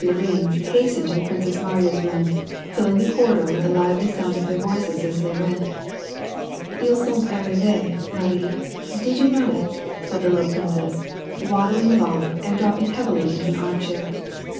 Bourienne has tened to the Princess Mariya's room, filling the corridor with the lively sound of their voices as they went. " lis sont arrives^ Marie ; did you know it ?" said the little princess, waddling along, and dropping heavily into an arm chair.